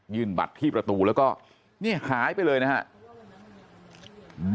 บัตรที่ประตูแล้วก็นี่หายไปเลยนะครับ